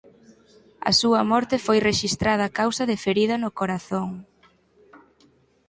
A súa morte foi rexistrada a causa de "ferida no corazón".